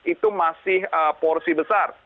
itu masih porsi besar